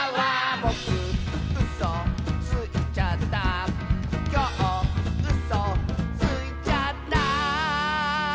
「ぼくうそついちゃった」「きょううそついちゃった」